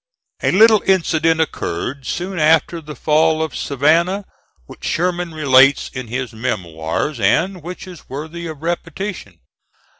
A little incident occurred, soon after the fall of Savannah, which Sherman relates in his Memoirs, and which is worthy of repetition.